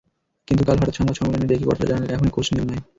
কিন্তু কাল হঠাৎ সংবাদ সম্মেলন ডেকে কর্তারা জানালেন, এখনই কোচ নিয়োগ নয়।